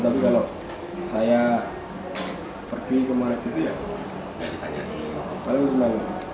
tapi kalau saya pergi kemarin gitu ya